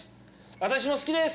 「私も好きです」